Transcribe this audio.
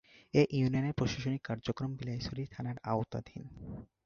এ ইউনিয়নের প্রশাসনিক কার্যক্রম বিলাইছড়ি থানার আওতাধীন।